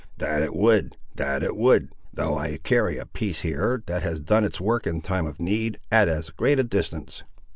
"That it would—that it would; though I carry a piece, here, that has done its work in time of need, at as great a distance."